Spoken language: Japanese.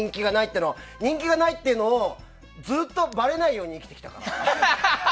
人気がないっていうのをずっとバレないように生きてきたからさ。